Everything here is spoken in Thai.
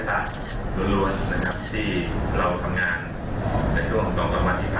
ล้วนนะครับที่เราทำงานในช่วงของต่อประมาณพิพันธ์